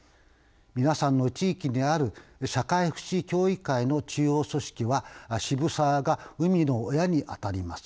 皆さんの地域にある社会福祉協議会の中央組織は渋沢が生みの親にあたります。